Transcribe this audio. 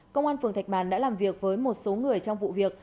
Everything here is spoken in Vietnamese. công an phường thạch bàn đã làm việc với một số người trong vụ việc